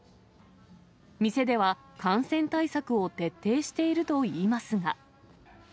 店では感染対策を徹底しているといいますが。